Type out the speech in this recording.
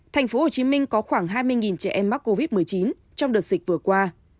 tp hcm có khoảng hai mươi trẻ em mắc covid một mươi chín trong đợt dịch vừa qua